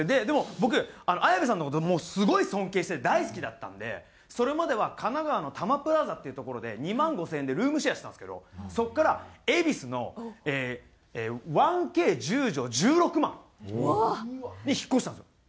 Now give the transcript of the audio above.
でも僕綾部さんの事すごい尊敬して大好きだったんでそれまでは神奈川のたまプラーザっていう所で２万５０００円でルームシェアしてたんですけどそこから恵比寿の１Ｋ１０畳１６万に引っ越したんですよ。